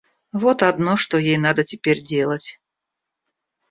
Вот одно, что ей надо теперь делать.